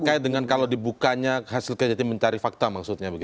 ini terkait dengan kalau dibukanya hasil kejadian mencari fakta maksudnya begitu